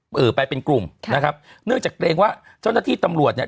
เออไปเป็นกลุ่มค่ะนะครับเนื่องจากเกรงว่าเจ้าหน้าที่ตำรวจเนี่ย